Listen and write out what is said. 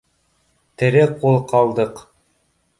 Тере ҡул ҡалдыҡ